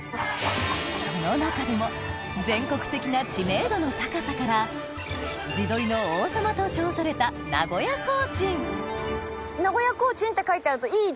その中でも全国的な知名度の高さから「地鶏の王様」と称された「名古屋コーチン」って書いてあると。